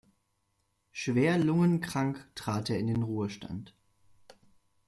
Schwer lungenkrank trat er in den Ruhestand.